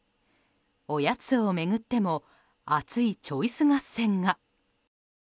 おやつを巡っても熱いチョイス合戦が。